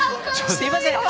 すいません。